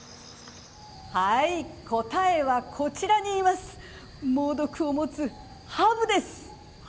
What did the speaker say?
答えはこちらの猛毒を持つハブです。